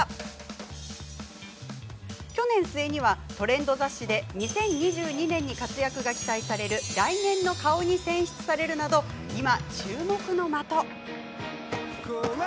去年末にはトレンド雑誌で２０２２年に活躍が期待される来年の顔に選出されるなど今、注目の的。